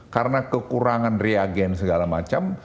karena kekurangan reagen segala macam